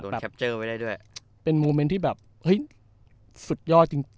แคปเจอร์ไว้ได้ด้วยเป็นโมเมนต์ที่แบบเฮ้ยสุดยอดจริง